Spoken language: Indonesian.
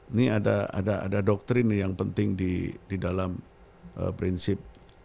ini ada doktrin yang penting di dalam prinsip